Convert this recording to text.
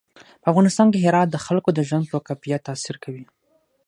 په افغانستان کې هرات د خلکو د ژوند په کیفیت تاثیر کوي.